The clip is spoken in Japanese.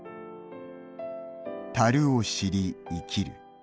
足るを知り生きる。